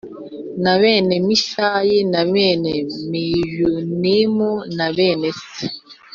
Na bene besayi na bene meyunimu na bene se